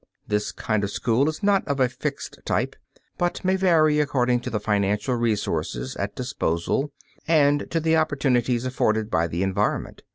This kind of school is not of a fixed type, but may vary according to the financial resources at disposal and to the opportunities afforded by the environment.